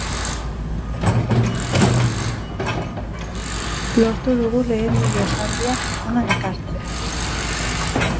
Lortu dugu lehen mila esaldiak hona ekartzea.